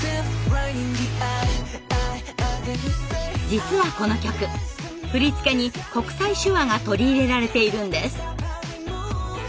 実はこの曲振り付けに国際手話が取り入れられているんです。